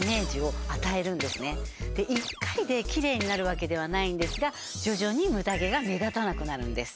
１回で奇麗になるわけではないんですが徐々に無駄毛が目立たなくなるんです。